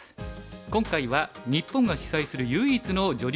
今回は日本が主催する唯一の女流